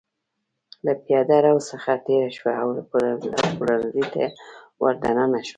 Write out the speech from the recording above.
له پېاده رو څخه تېره شوه او پلورنځي ته ور دننه شوه.